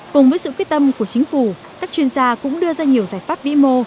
cùng với sự quyết tâm của chính phủ các chuyên gia cũng đưa ra nhiều giải pháp vĩ mô